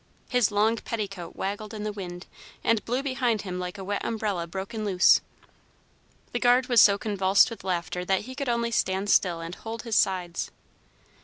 His long petticoat waggled in the wind, and blew behind him like a wet umbrella broken loose. The guard was so convulsed with laughter that he could only stand still and hold his sides.